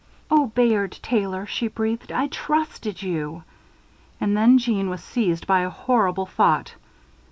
"Oh, Bayard Taylor!" she breathed, "I trusted you." And then, Jeanne was seized by a horrible thought.